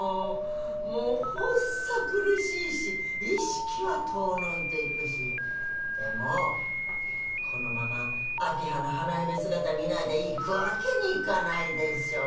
もう発作苦しいし意識は遠のいていくしでもこのまま明葉の花嫁姿見ないで逝くわけにいかないでしょう？